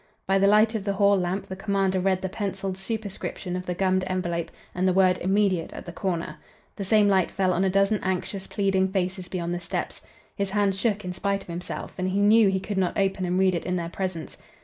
By the light of the hall lamp the commander read the pencilled superscription of the gummed envelope and the word "Immediate" at the corner. The same light fell on a dozen anxious, pleading faces beyond the steps. His hand shook in spite of himself, and he knew he could not open and read it in their presence.